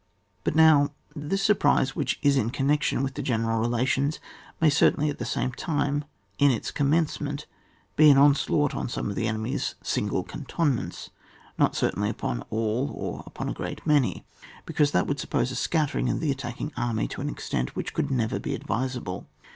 But now, this surprise which is in connection with the general relations, may certainly at the same time, in its commencement, be an onslaught on some of the enemy's single cantonments, not certainly upon all, or upon a great many, because that would suppose a scattering of the attacking army to an extent which could never be advisable.